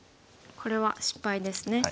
これは失敗ですね。